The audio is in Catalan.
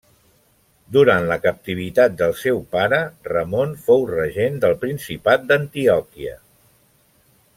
Durant la captivitat del seu pare, Ramon fou regent del Principat d'Antioquia.